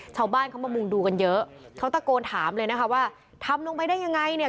ชาวบ้านเขามามุงดูกันเยอะเขาตะโกนถามเลยนะคะว่าทำลงไปได้ยังไงเนี่ย